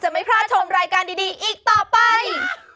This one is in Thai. มันดีอีกต่อไป